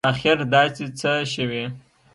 نو اخیر داسي څه شوي